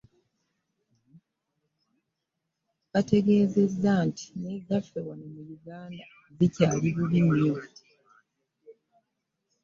Bategeezezza nti n'ezaffe wano mu Uganda zikyali bubi nnyo.